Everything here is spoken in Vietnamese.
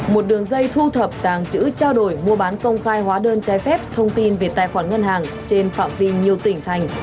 một đường dây thu thập tàng chữ trao đổi mua bán công khai hóa đơn trai phép thông tin về tài khoản ngân hàng trên phạm vi nhiều tỉnh thành